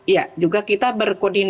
ya juga kita berkoordinasi